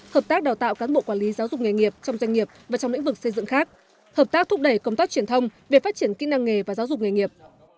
hợp tác đào tạo cán bộ quản lý giáo dục nghề nghiệp trong doanh nghiệp và trong lĩnh vực xây dựng khác hợp tác thúc đẩy công tác truyền thông về phát triển kỹ năng nghề và giáo dục nghề nghiệp